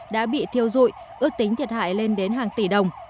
đã bị thiêu dụi ước tính thiệt hại lên đến hàng tỷ đồng